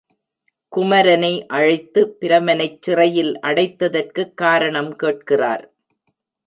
குமரனை அழைத்து, பிரமனைச் சிறையில் அடைத்ததற்குக் காரணம் கேட்கிறார்.